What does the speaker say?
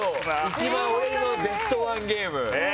一番、俺のベストワンゲーム。